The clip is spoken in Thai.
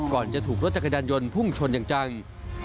ก่อนจะถูกรถจักรยานยนต์พุ่งชนอย่างจัง